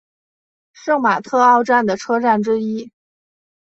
圣马特奥站的车站之一。